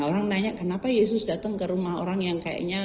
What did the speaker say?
orang nanya kenapa yesus datang ke rumah orang yang kayaknya